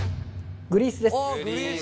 グリースです。